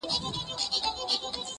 په مجلس نه مړېدل سره خواږه وه؛